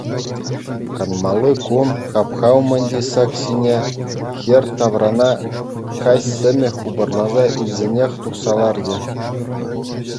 Канмалли кун хапха умӗнчи сак ҫине хӗр таврана каҫ сӗмӗ хупӑрласа илсенех тухса ларчӗ.